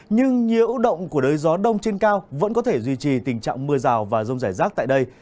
nhưng nhiễu động của đới gió đông trên cao vẫn có thể duy trì tình trạng mưa rào và rông rải rác tại đây